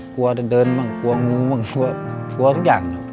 กลัวเดินบ้างกลัวงูมั่งกลัวทุกอย่าง